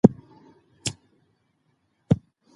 افغانستان د مېوې په برخه کې نړیوالو بنسټونو سره کار کوي.